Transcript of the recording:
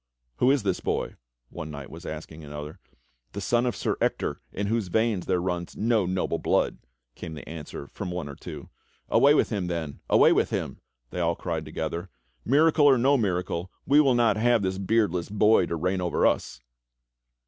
"Who is this boy.?" one knight was asking another. "The son of Sir Ector iii whose veins there runs no noble blood," came the answer from one or two. "Away with him, then, away with him!" they all cried together. "Miracle or no miracle, we will not have this beardless boy to reign over us!"